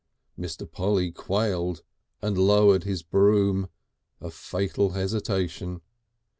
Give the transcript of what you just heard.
Mr. Polly quailed and lowered his broom, a fatal hesitation.